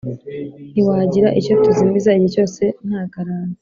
ntitwagira icyo tuzimiza igihe cyose ntagaranti